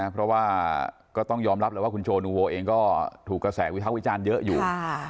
เพราะว่าก็ต้องยอมรับแล้วว่าคุณโจนูโวเองก็ถูกกระแสวิภาควิจารณ์เยอะอยู่